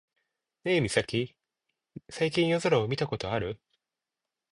ねえミサキ、最近夜空を見たことある？